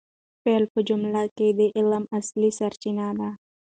فاعل په جمله کي د عمل اصلي سرچینه ده.